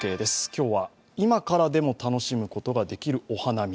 今日は今からでも楽しむことができるお花見。